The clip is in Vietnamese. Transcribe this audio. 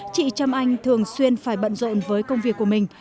chị trâm anh thường xuyên phải bận rộn với công việc của mình